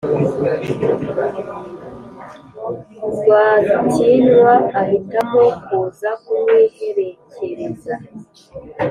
Rwagjtinywa ahitamo kuza kumwiherekereza